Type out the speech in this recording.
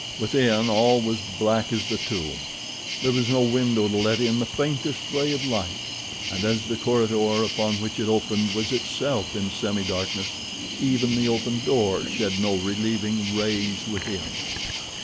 Within all was black as the tomb. There was no window to let in the faintest ray of light, and as the corridor upon which it opened was itself in semi darkness, even the open door shed no relieving rays within.